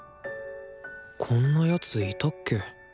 こんな奴いたっけ？